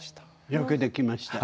よくできました。